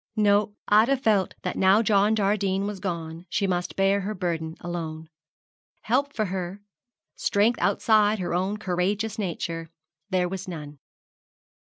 No, Ida felt that now John Jardine was gone she must bear her burden alone. Help for her, strength outside her own courageous nature, there was none.